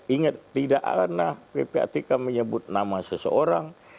ingat tidak karena ppatk menyebut nama seseorang